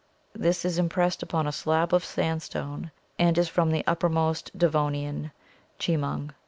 This is impressed upon a slab of sandstone and is from the uppermost Devonian (Chemung).